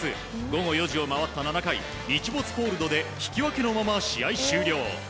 午後４時を回った７回日没コールドで引き分けのまま試合終了。